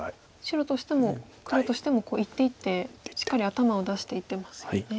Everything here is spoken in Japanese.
白としても黒としても一手一手しっかり頭を出していってますよね。